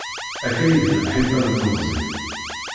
Akka i d lemḥibba n temẓi.